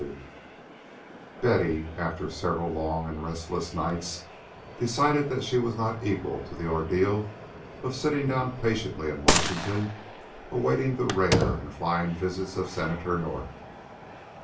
XXII Betty, after several long and restless nights, decided that she was not equal to the ordeal of sitting down patiently in Washington awaiting the rare and flying visits of Senator North.